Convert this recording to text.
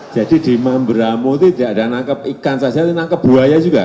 jadi di mamberamo itu tidak ada nangkap ikan saya tahu nangkap buaya juga